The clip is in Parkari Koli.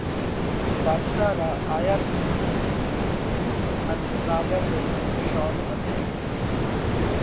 ڀاڌشا را آيا ٿِي پِير ان مُزاور رئي شونَ وڌي ڳئِي۔